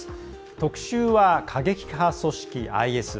特集は過激派組織ＩＳ。